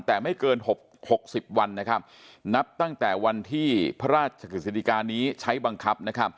แต่ไม่เกิน๖๐วันนับตั้งแต่วันที่พระราชกฤษฎิกานี้ใช้บังคับ